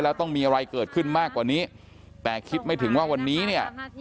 แล้วต้องมีอะไรเกิดขึ้นมากกว่านี้แต่คิดไม่ถึงว่าวันนี้เนี่ย